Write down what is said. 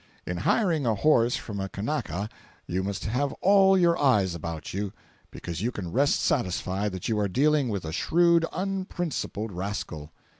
In hiring a horse from a Kanaka, you must have all your eyes about you, because you can rest satisfied that you are dealing with a shrewd unprincipled rascal.